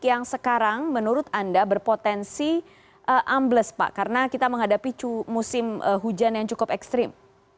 yang sekarang menurut anda berpotensi ambles pak karena kita menghadapi musim hujan yang cukup ekstrim